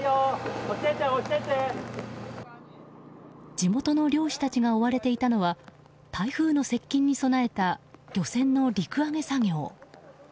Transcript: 地元の漁師たちが追われていたのは台風の接近に備えた漁船の陸揚げ作業。